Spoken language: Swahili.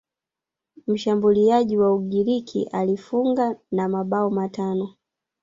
mshambuliaji wa ugiriki alifunga na mabao matano